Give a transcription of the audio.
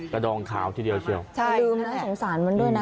ดองขาวทีเดียวเชียวใช่ดื่มนะสงสารมันด้วยนะ